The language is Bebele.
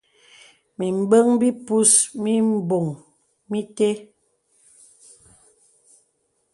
Mìmbəŋ bìpus mìmboŋ mìtə́.